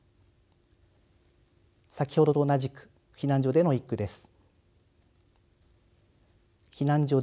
先ほどと同じく避難所での一句です。